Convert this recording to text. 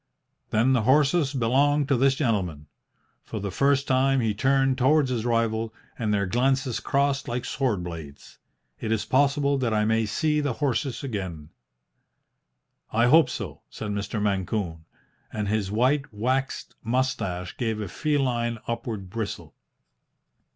"Then the horses belong to this gentleman." For the first time he turned towards his rival, and their glances crossed like sword blades. "It is possible that I may see the horses again." "I hope so," said Mr. Mancune; and his white, waxed moustache gave a feline upward bristle.